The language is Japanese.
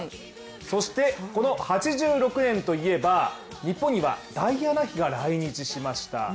そして、８６年といえば、日本にはダイアナ妃が来日しました。